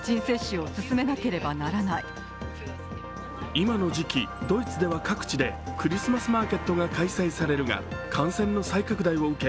今の時期、ドイツでは各地でクリスマスマーケットが開催されるが感染の再拡大を受け